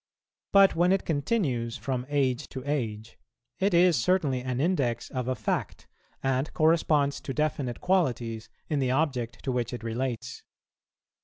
But when it continues from age to age, it is certainly an index of a fact, and corresponds to definite qualities in the object to which it relates.